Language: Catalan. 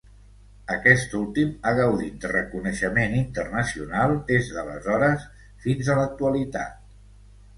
Aquest últim ha gaudit de reconeixement internacional des d'aleshores fins a l'actualitat.